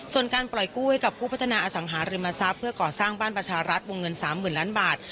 ส่วนการปล่อยกู้ให้กับผู้พัฒนาอสังหาริมทรัพย์เพื่อก่อสร้างบ้านประชารัฐวงเงิน๓๐๐๐ล้านบาท